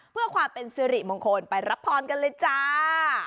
เพื่อความเป็นสิริมงคลไปรับพรกันเลยจ้า